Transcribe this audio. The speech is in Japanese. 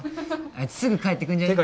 あいつすぐ帰ってくんじゃね？